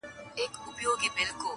شرمنده سو ته وا ټول عالم پر خاندي-